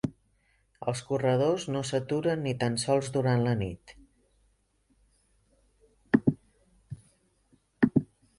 Els corredors no s’aturen ni tan sols durant la nit.